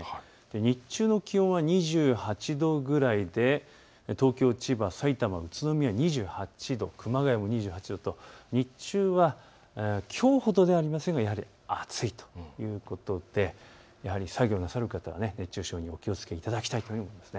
日中の気温は２８度ぐらいで東京、千葉、さいたま、宇都宮２８度、熊谷も２８度と日中はきょうほどではありませんがやはり暑いということでやはり作業なさる方は熱中症にお気をつけいただきたいと思います。